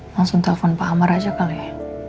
langsung telpon pak amar aja kali ya